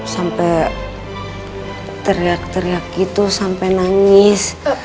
sampai teriak teriak gitu sampai nangis